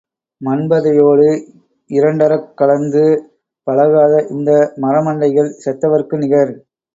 மன்பதையோடு இரண்டறக் கலந்து பழகாத இந்த மர மண்டைகள் செத்தவர்க்கு நிகர்.